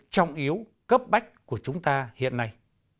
trọng yếu cấp bách của chúng ta hiện nay